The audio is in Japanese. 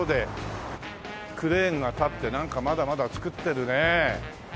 クレーンが立ってなんかまだまだ造ってるねえ。